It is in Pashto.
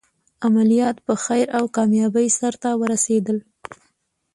عملیات په خیر او کامیابۍ سرته ورسېدل.